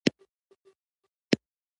پر بشرپالنې دومره ټینګار شوی دی.